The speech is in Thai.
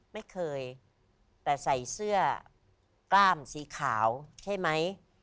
ไม่เคยแต่ใส่เสื้อกล้ามสีขาวใช่ไหม